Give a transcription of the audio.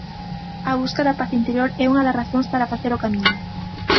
A busca da paz interior é unha das razóns para facer o Camiño.